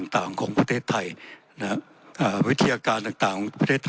ต่างของประเทศไทยนะฮะอ่าวิธีอาการต่างของประเทศ